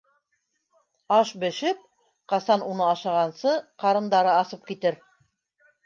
Аш бешеп, ҡасан уны ашағансы, ҡарындары асып китер.